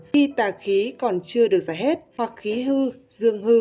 bi tà khí còn chưa được giải hết hoặc khí hư dương hư